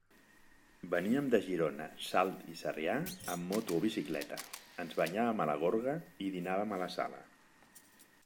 Venien de Girona, Salt i Sarrià amb moto o bicicleta, ens banyàvem a la gorga i dinàvem a la Sala.